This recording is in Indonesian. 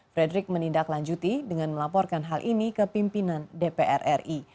frederick menindaklanjuti dengan melaporkan hal ini ke pimpinan dpr ri